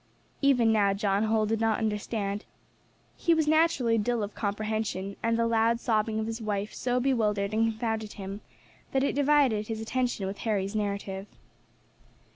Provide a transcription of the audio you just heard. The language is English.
Even now John Holl did not understand. He was naturally dull of comprehension, and the loud sobbing of his wife so bewildered and confounded him, that it divided his attention with Harry's narrative.